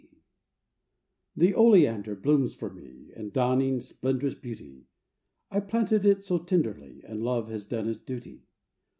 T.) The oleander blooms for me, In dawning splendrous beauty, I planted it so tenderly, And love has done its duty.